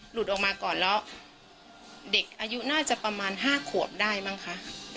หลุดออกมาก่อนแล้วเด็กอายุน่าจะประมาณ๕ขวบได้มั้งคะ